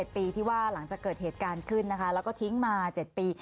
๗ปีที่ว่าหลังจากเกิดเหตุการณ์ขึ้นนะคะแล้วก็ทิ้งมา๗ปี